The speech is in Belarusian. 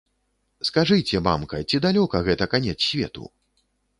Скажыце, мамка, ці далёка гэта канец свету?